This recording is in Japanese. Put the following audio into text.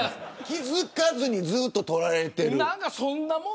気付かずにずっと撮られている。